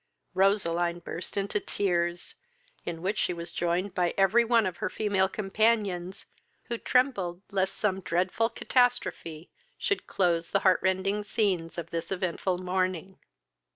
Roseline burst into tears, in which she was joined by every one of her female companions, who trembled lest some dreadful catastrophe should close the heart rending scenes of this eventful morning.